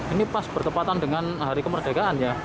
ini pas bertepatan dengan hari kemerdekaan ya